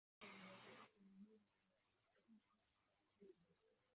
Umugabo arunama akora akazi runaka kumuhanda